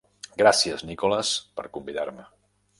Gràcies, Nicholas, per convidar-me.